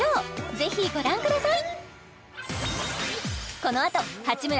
ぜひご覧ください